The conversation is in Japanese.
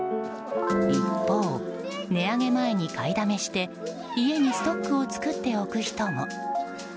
一方、値上げ前に買いだめして家にストックを作っておく人も。